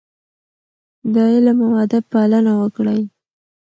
د علم او ادب پالنه وکړئ.